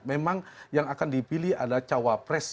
memang yang akan dipilih adalah cawapres